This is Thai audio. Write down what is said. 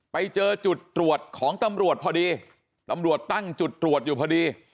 ไปเจอจุดตรวจของตำรวจพอดีตำรวจตั้งจุดตรวจอยู่พอดี